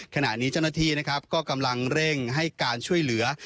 ขณะนี้เจ้าหน้าที่นะครับก็กำลังเร่งให้การช่วยเหลือ